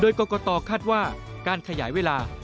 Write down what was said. โดยก็ก็ตอคาดว่าการขยายเวลา